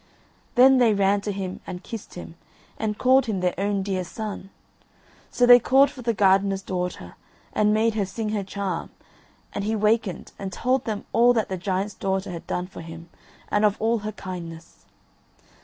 Then they ran to him and kissed him and called him their own dear son; so they called for the gardener's daughter and made her sing her charm, and he wakened, and told them all that the giant's daughter had done for him, and of all her kindness.